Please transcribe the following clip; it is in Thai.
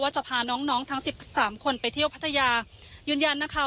จะพาน้องน้องทั้งสิบสามคนไปเที่ยวพัทยายืนยันนะคะ